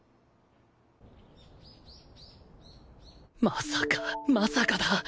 まさかまさかだ！